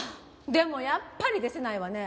でもやっぱり解せないわね。